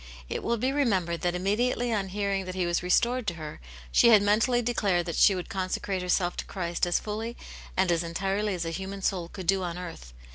It will be remembered that immediately on hearing that he was restored to her, she had mentally declared that she would consecrate herself to Christ as fully and as entirely as a human soul could do on earth.